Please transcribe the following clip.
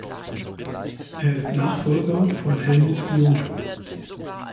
Er ist Nachfolger von Helmut Jung.